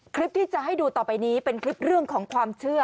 คลิปที่จะให้ดูต่อไปนี้เป็นคลิปเรื่องของความเชื่อ